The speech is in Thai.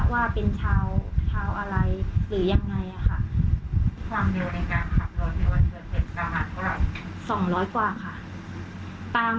ว่าเป็นชาวอะไรหรือยังไงละค่ะ๒๐๐กว่าค่ะ